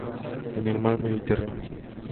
En el Mar Mediterráneo.